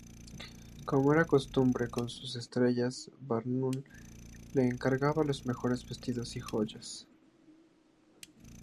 Como era costumbre con sus estrellas, Barnum le encargaba los mejores vestidos y joyas.